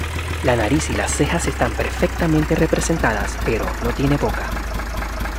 La nariz y las cejas están perfectamente representadas, pero no tiene boca.